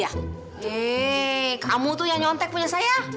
yeay kamu tuh yang nyontek punya saya